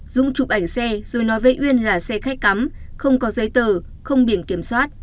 dung chụp ảnh xe rồi nói với uyên là xe khách cắm không có giấy tờ không biển kiểm soát